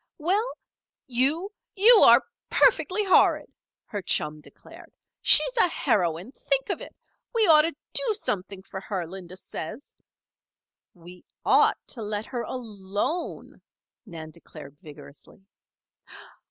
"Well " "You you are perfectly horrid!" her chum declared. "She's a heroine! Think of it! We ought to do something for her, Linda says." "We ought to let her alone," Nan declared vigorously.